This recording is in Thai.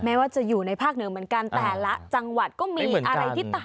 ว่าจะอยู่ในภาคเหนือเหมือนกันแต่ละจังหวัดก็มีอะไรที่ต่าง